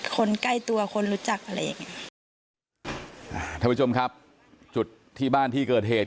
คนใกล้ตัวคนรู้จักอะไรอย่างเงี้ยอ่าท่านผู้ชมครับจุดที่บ้านที่เกิดเหตุ